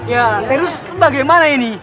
ya terus bagaimana ini